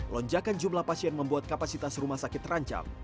lonjakan jumlah pasien membuat kapasitas rumah sakit terancam